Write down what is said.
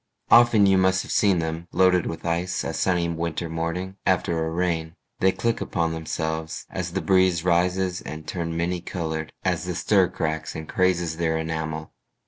Often you must have seen them Loaded with ice a sunny winter morning After a rain. They click upon themselves As the breeze rises, and turn many colored As the stir cracks and crazes their enamel.